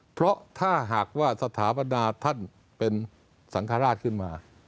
เพราะถ้าหากว่าสถาปดาท่านเป็นสังฆราชขึ้นมา